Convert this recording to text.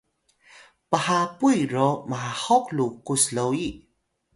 phapuy ro mahoq lukus loyi